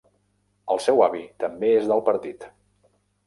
El seu avi també és del partit.